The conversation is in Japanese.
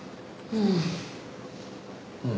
うん？